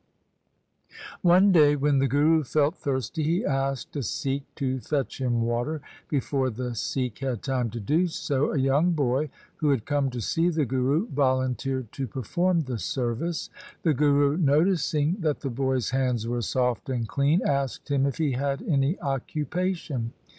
One day when the Guru felt thirsty, he asked a Sikh to fetch him water. Before the Sikh had time to do so, a young boy, who had come to see the Guru, volunteered to perform the service. The Guru noticing that the boy's hands were soft and clean, asked him if he had any occupation.